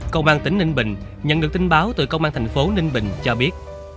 công an tỉnh ninh bình nhận được tin báo từ công an thành phố ninh bình cho biết